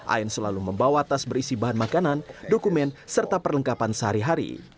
ain selalu membawa tas berisi bahan makanan dokumen serta perlengkapan sehari hari